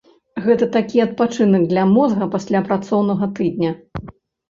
Гэта такі адпачынак для мозга пасля працоўнага тыдня.